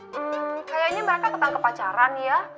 hmm kayaknya mereka ketangkep pacaran ya